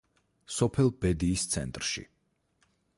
სოფელ ბედიის ცენტრში.